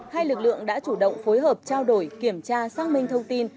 hai lực lượng đã chủ động phối hợp trao đổi kiểm tra xác minh thông tin